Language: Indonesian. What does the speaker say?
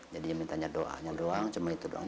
jadi minta doanya doang cuma itu doang